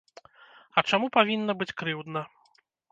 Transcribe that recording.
А чаму павінна быць крыўдна?